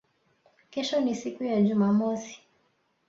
Kesho ni siku ya Jumamosi